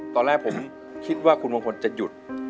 ตอนแรกผมคิดว่าคุณมงคลจะหยุด